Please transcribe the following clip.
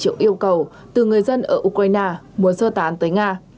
được gần hai bảy triệu yêu cầu từ người dân ở ukraine muốn sơ tán tới nga